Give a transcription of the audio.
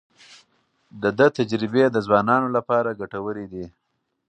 د ده تجربې د ځوانانو لپاره ګټورې دي.